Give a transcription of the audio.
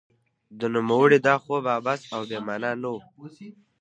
د نوموړي دا خوب عبث او بې مانا نه و.